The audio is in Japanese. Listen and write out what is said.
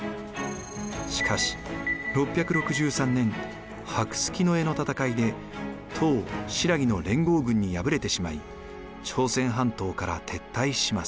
しかし６６３年白村江の戦いで唐新羅の連合軍に敗れてしまい朝鮮半島から撤退します。